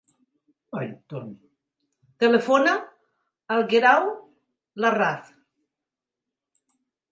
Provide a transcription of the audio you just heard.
Telefona al Guerau Larraz.